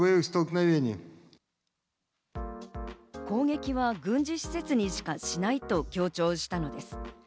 攻撃は軍事施設にしかしないと強調したのです。